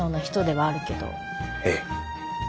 ええ。